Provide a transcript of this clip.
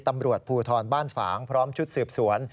ตำรวจภูทรบ้านฝางพร้อมชุดสืบสวน